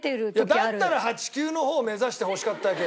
だったら８９の方を目指してほしかった。